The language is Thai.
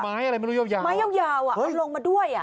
ไม้อะไรมันไปลงยาวมายาวยาวยาวอ่ะเอาลงมาด้วยอ่ะ